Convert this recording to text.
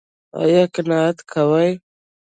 ایا قناعت کوئ؟